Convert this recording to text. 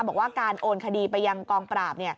บอกว่าการโอนคดีไปยังกองปราบ